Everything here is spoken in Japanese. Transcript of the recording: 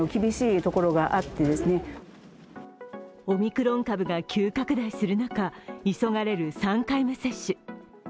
オミクロン株が急拡大する中、急がれる３回目接種。